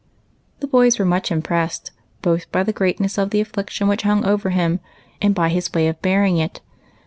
The boys were much impressed, both by the great ness of the affliction which hung over him and by his Avay of bearing it.